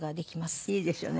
いいですよね。